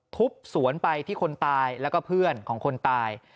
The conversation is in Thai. ทุบสวนไปที่คนตายแล้วก็เพื่อนของคนตาย